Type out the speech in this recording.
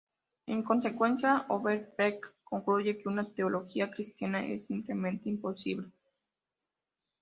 En consecuencia, Overbeck concluye que una teología cristiana es simplemente imposible.